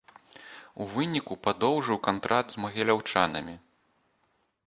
У выніку падоўжыў кантракт з магіляўчанамі.